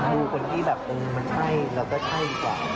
ดูคนที่แบบเออมันใช่เราก็ใช่ดีกว่า